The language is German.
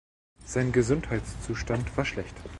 Sein Gesundheitszustand war schlecht.